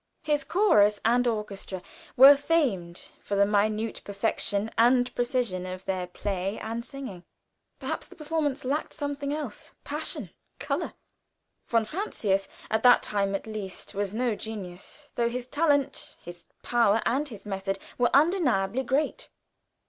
His chorus and orchestra were famed for the minute perfection and precision of their play and singing. Perhaps the performance lacked something else passion, color. Von Francius, at that time at least, was no genius, though his talent, his power, and his method were undeniably great.